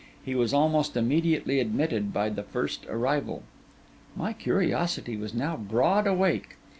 He was almost immediately admitted by the first arrival. My curiosity was now broad awake.